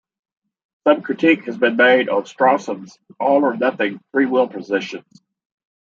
Some critique has been made on Strawson's all-or-nothing free will positions.